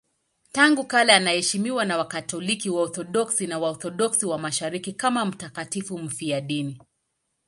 Tangu kale anaheshimiwa na Wakatoliki, Waorthodoksi na Waorthodoksi wa Mashariki kama mtakatifu mfiadini.